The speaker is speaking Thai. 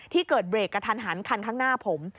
เกิดเบรกกระทันหันคันข้างหน้าผม